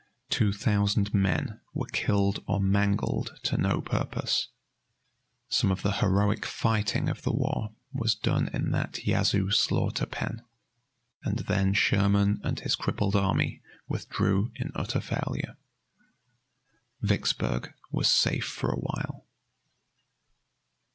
Two thousand men were killed or mangled to no purpose. Some of the heroic fighting of the war was done in that Yazoo slaughter pen, and then Sherman and his crippled army withdrew in utter failure. Vicksburg was safe for awhile.